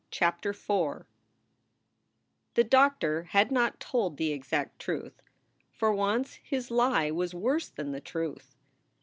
CHAPTER IV THE doctor had not told the exact truth. For once his lie was worse than the truth.